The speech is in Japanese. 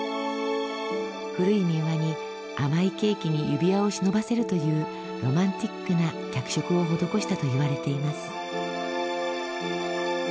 古い民話に甘いケーキに指輪を忍ばせるというロマンチックな脚色を施したといわれています。